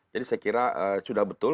saya kira sudah betul